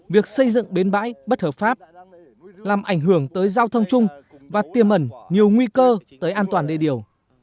việc xây dựng bến bãi bất hợp pháp làm ảnh hưởng tới giao thông chung và tiềm ẩn nhiều nguy cơ tới an toàn đê điều